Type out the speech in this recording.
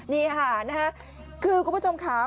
นี่ค่ะคือคุณผู้ชมค่ะ